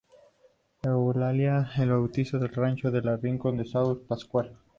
Eulalia la bautizó Rancho del Rincón de San Pasqual.